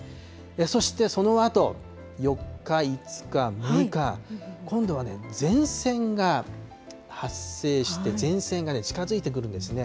そしてそのあと４日、５日、６日、今度はね、前線が発生して、前線が近づいてくるんですね。